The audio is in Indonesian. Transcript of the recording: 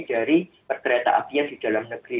dari perkeretaapian di dalam negeri